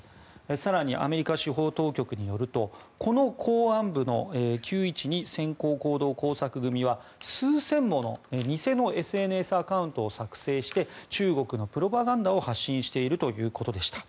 更にアメリカ司法当局によるとこの公安部の９１２専項行動工作組は数千もの偽のＳＮＳアカウントを作成して中国のプロパガンダを発信しているということでした。